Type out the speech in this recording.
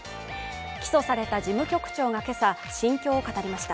起訴された事務局長がけさ、心境を語りました。